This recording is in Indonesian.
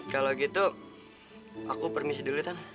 kalau gitu aku permisi dulu itu